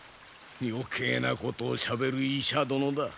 余計なことをしゃべる医者殿だ。